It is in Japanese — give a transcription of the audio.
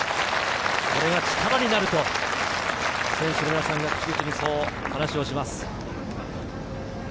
これが力になると選手の皆さんが口々に話をします。